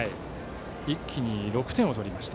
一気に６点取りました。